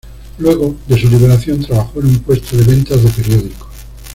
Luego de su liberación trabajó en un puesto de venta de periódicos.